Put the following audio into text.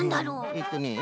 えっとね